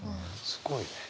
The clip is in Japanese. すごいね。